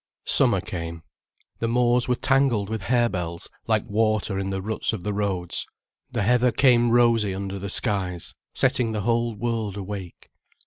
Summer came, the moors were tangled with harebells like water in the ruts of the roads, the heather came rosy under the skies, setting the whole world awake.